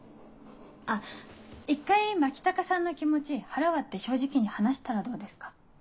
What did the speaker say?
あっ一回牧高さんの気持ち腹割って正直に話したらどうですか？